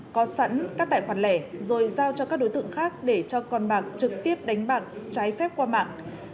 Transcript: có sẵn các tài khoản lẻ rồi giao cho các đối tượng khác để cho con bạc trực tiếp đánh bạc trái phép qua mạng